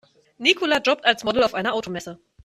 Nicola jobbt als Model auf einer Automesse.